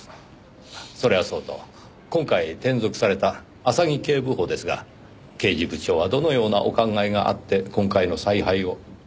それはそうと今回転属された浅木警部補ですが刑事部長はどのようなお考えがあって今回の采配を？